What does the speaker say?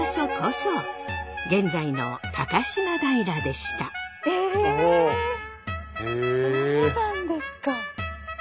そうなんですか。